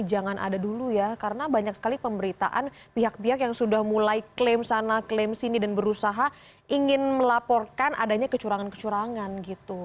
jangan ada dulu ya karena banyak sekali pemberitaan pihak pihak yang sudah mulai klaim sana klaim sini dan berusaha ingin melaporkan adanya kecurangan kecurangan gitu